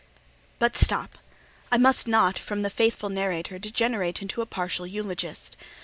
But stop—I must not, from the faithful narrator, degenerate into the partial eulogist.